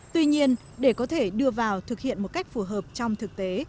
tuy nhiên để có thể đưa vào thực hiện một cách phù hợp trong thực tế